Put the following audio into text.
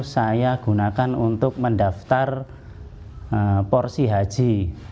saya gunakan untuk mendaftar porsi haji